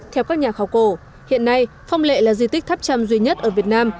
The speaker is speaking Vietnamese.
theo các nhà khảo cổ hiện nay phong lệ là di tích tháp chăm duy nhất ở việt nam